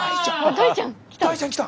大ちゃん来た！